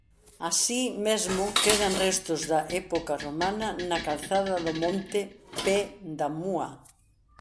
Así mesmo quedan restos da época romana na calzada do monte Pé da Múa.